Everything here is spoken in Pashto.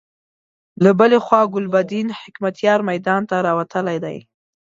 له بلې خوا ګلبدين حکمتیار میدان ته راوتلی دی.